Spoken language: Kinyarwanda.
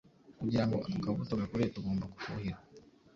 Kugira ngo ako kabuto gakure tugomba kukuhira